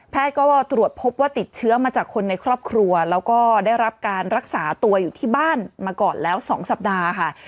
ก็ตรวจพบว่าติดเชื้อมาจากคนในครอบครัวแล้วก็ได้รับการรักษาตัวอยู่ที่บ้านมาก่อนแล้ว๒สัปดาห์ค่ะ